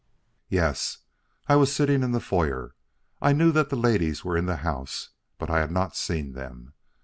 "Yes. I was sitting in the foyer. I knew that the ladies were in the house, but I had not seen them.